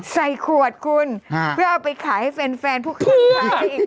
ใส่ขวดคุณเพื่อเอาไปขายให้แฟนผู้ขายอีกด้วย